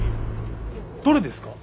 どれですか？